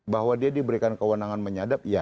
bahwa dia diberikan kewenangan menyadap ya